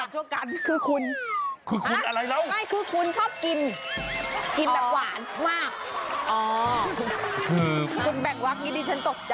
ชั่วกันคือคุณคือคุณชอบกินแบบหวานมาก